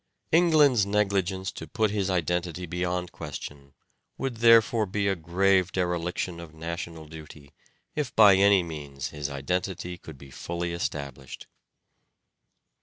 England's negligence to put his identity beyond question would therefore be a grave dereliction of national duty if by any means his identity could be fully established.